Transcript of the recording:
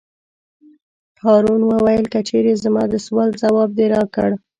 هارون وویل: که چېرې زما د سوال ځواب دې راکړ.